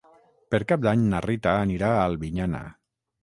Per Cap d'Any na Rita anirà a Albinyana.